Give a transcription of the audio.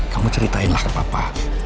kamu ceritainlah ke papa